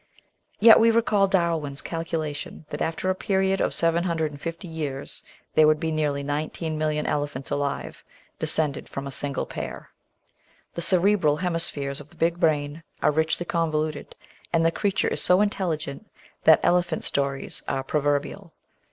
Yet we recall Darwin's calculation that after a period of 750 years there would be nearly nineteen million elephants alive, descended from a single pair. The cerebral hemispheres of the big brain are richly convoluted, and the creatiu*e is so intelligent that "elephant stories" are proverbial.